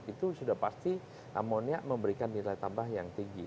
itu sudah pasti amonia memberikan nilai tambah yang tinggi